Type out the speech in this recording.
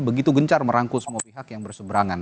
begitu gencar merangkul semua pihak yang berseberangan